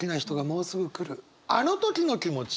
あの時の気持ち。